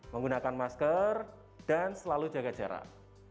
menggunakan masker dan selalu jaga jarak